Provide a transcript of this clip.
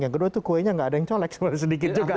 yang kedua tuh kuenya nggak ada yang colek cuma sedikit juga